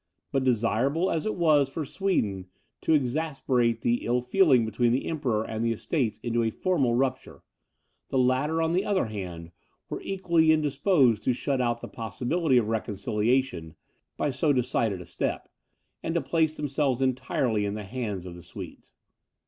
But desirable as it was for Sweden to exasperate the ill feeling between the emperor and the estates into a formal rupture, the latter, on the other hand, were equally indisposed to shut out the possibility of reconciliation, by so decided a step, and to place themselves entirely in the hands of the Swedes.